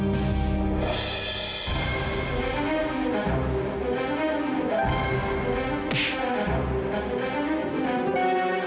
kalian mulai kembali kerja